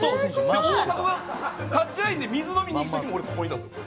大迫がタッチラインで水飲みに行く時も俺ここにいたんですよ。